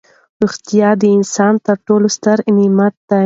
روغتیا د انسان تر ټولو ستر نعمت دی.